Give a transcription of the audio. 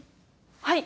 はい。